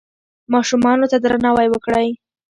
ماشومانو ته درناوی وکړئ.